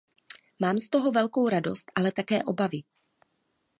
Mám z toho velkou radost, ale také obavy.